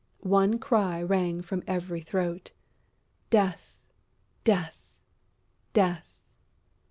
One cry rang from every throat: "Death! Death! Death!"